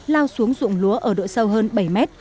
lao xuống dụng lúa ở độ sâu hơn bảy mét